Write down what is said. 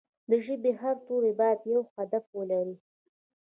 د ژبې هر توری باید یو هدف ولري.